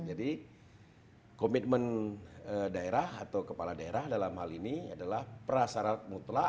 jadi komitmen daerah atau kepala daerah dalam hal ini adalah perasarat mutlak